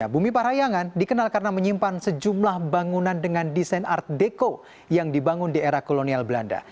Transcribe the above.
bumi parayangan dikenal karena menyimpan sejumlah bangunan dengan desain art deco yang dibangun di era kolonial belanda